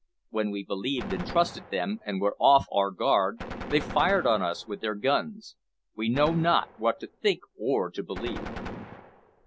When we believed and trusted them, and were off our guard, they fired on us with their guns. We know not what to think or to believe."